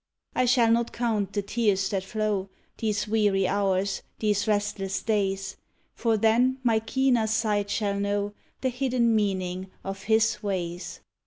I shall not count the tears that flow These weary hours, these restless days; For then my keener sight shall know The hidden meaning of His ways!